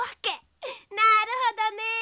なるほどね。